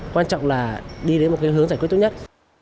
quan trọng là đi đến một cái hướng giải quyết tốt nhất